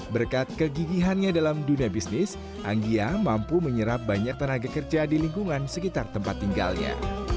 berkat kegigihannya dalam dunia bisnis anggia mampu menyerap banyak tenaga kerja di lingkungan sekitar tempat tinggalnya